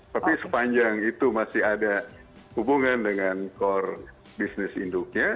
tapi sepanjang itu masih ada hubungan dengan core business induknya